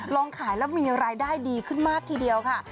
ลองขายแล้วมีรายได้ดีขึ้นมากทีเดียวค่ะ